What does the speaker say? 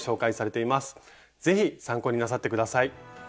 是非参考になさって下さい。